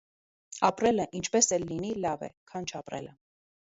Ապրելը՝ ինչպես էլ լինի, լավ է, քան չապրելը։